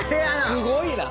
すごいな！